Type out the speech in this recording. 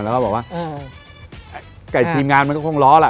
แล้วก็บอกว่าการไหนพี่มีการของร้องนะ